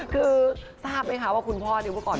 คือทราบไหมคะว่าคุณพ่อเนี่ยเมื่อก่อน